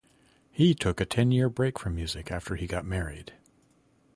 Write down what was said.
He took a ten-year break from music after he got married.